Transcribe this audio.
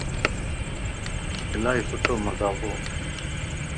الائي سھڻو مذاق ھو